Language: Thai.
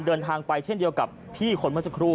เดินทางไปเช่นเดียวกับพี่คนมัสครู